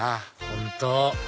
本当